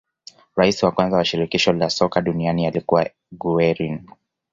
Rais wa kwanza wa shirikisho la soka duniani alikuwa guerin